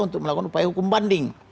untuk melakukan upaya hukum banding